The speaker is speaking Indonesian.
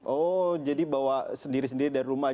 oh jadi bawa sendiri sendiri dari rumah